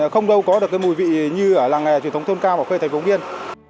không đâu có được cái mùi vị như ở làng nghề truyền thống thôn cao ở khuê thạch vũng biên